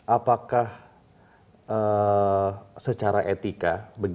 apakah secara etika